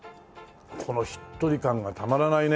このしっとり感がたまらないね。